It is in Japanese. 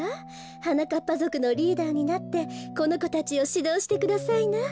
はなかっぱぞくのリーダーになってこのこたちをしどうしてくださいな。